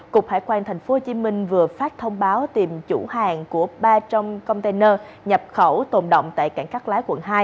cục hải quan tp hcm vừa phát thông báo tìm chủ hàng của ba trong container nhập khẩu tồn động tại cảng sài gòn khu vực một